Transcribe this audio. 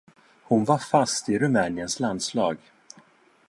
Hon var fast i Rumäniens landslag